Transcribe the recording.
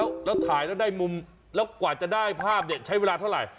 แล้วถ่ายแล้วได้มุมแล้วกว่าจะได้ภาพเนี่ยใช้เวลาเท่าไหร่